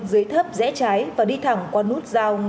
dưới thấp rẽ trái và đi thẳng qua nút giao